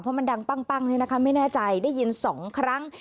เพราะมันดังปั้งนี่นะคะไม่แน่ใจได้ยิน๒ครั้ง